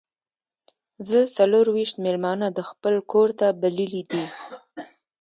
زه څلور ویشت میلمانه د خپل کور ته بللي دي.